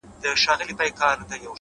• هر یو مي د زړه په خزانه کي دی منلی ,